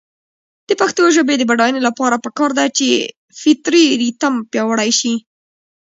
د پښتو ژبې د بډاینې لپاره پکار ده چې فطري ریتم پیاوړی شي.